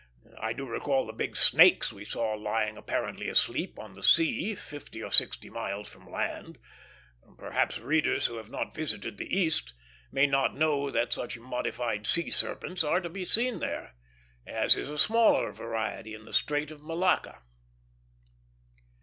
I do recall the big snakes we saw lying apparently asleep on the sea, fifty or sixty miles from land. Perhaps readers who have not visited the East may not know that such modified sea serpents are to be seen there, as is a smaller variety in the Strait of Malacca.